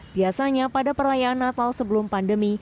biasanya pada perayaan natal sebelum pandemi